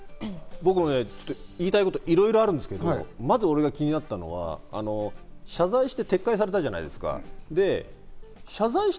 僕も言いたいこと、いろいろあるんですけど、まず俺が気になったのは、謝罪して撤回されたじゃないですか。